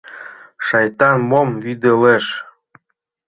Шайтан, мом вӱдылеш?